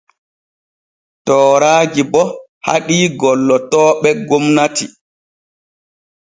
Tooraaji bo haɗii gollotooɓe gomnati.